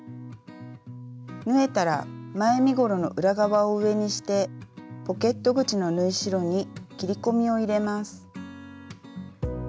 縫えたら前身ごろの裏側を上にしてポケット口の縫い代に切り込みを入れます。